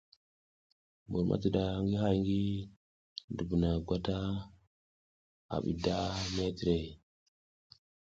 Mbur madiɗa ngi hay ngi dubuna gwata a bi da metrey,